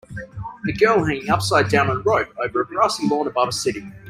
A girl hanging upside down on a rope over a grassy lawn above a city.